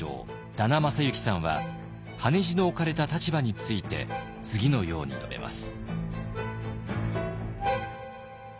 田名真之さんは羽地の置かれた立場について次のように述べます。